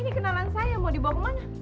ini kenalan saya mau dibawa kemana